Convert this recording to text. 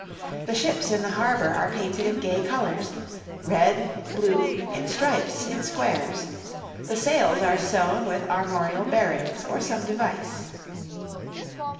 The ships in the harbour are painted in gay colours red, blue, in stripes, in squares; the sails are sewn with armorial bearings or some device.